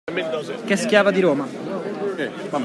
Ché schiava di Roma.